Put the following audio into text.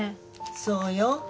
そうよ